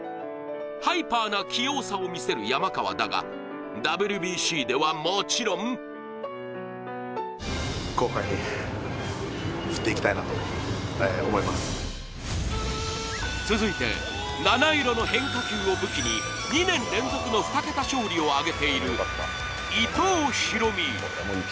ハイパーな器用さを見せる山川だがＷＢＣではもちろん続いて七色の変化球を武器に２年連続の２桁勝利を挙げている伊藤大海。